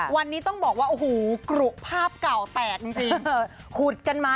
วันนี้ต้องบอกว่ากลุ่มภาพเก่าแตกจริง